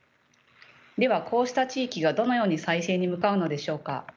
ではこうした地域がどのように再生に向かうのでしょうか。